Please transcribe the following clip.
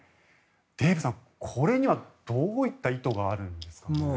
デーブさん、これにはどういった意図があるんですかね。